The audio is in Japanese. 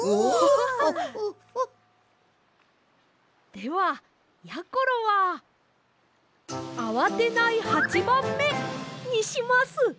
ではやころはあわてない八番目！にします！